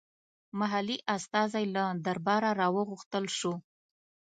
محلي استازی له درباره راوغوښتل شو.